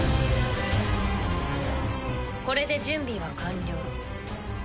これで準備は完了。